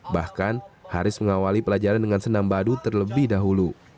bahkan haris mengawali pelajaran dengan senam badu terlebih dahulu